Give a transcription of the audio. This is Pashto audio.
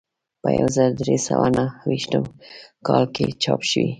په یو زر درې سوه نهه ویشت کال کې چاپ شوی.